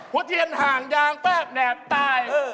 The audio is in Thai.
หัวเทียนหางยางแป๊บแหนบตาย